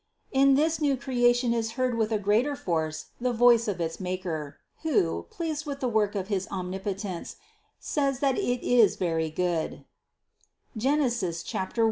223. In this new creation is heard with a greater force the voice of its Maker, who, pleased with the work of his Omnipotence, says that it is very good (Gen. 1, 31).